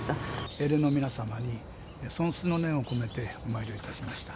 英霊の皆様に尊崇の念を込めてお参りをいたしました。